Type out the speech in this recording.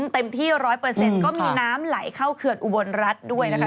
เต็มที่๑๐๐ก็มีน้ำไหลเข้าเขื่อนอุบลรัฐด้วยนะคะ